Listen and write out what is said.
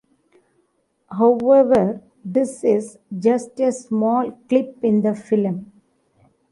However this is just a small clip in the film.